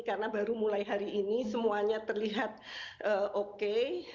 karena baru mulai hari ini semuanya terlihat oke